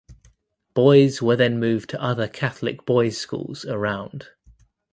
Boys were then moved to other catholic boys’ schools around.